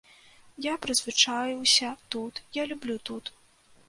Я прызвычаіўся тут, я люблю тут.